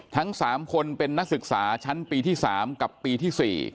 ทั้ง๓คนเป็นนักศึกษาชั้นปีที่๓กับปีที่๔